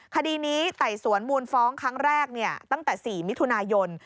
คดีนี้ไต่สวนมูลฟ้องครั้งแรกตั้งแต่๔มิถุนายน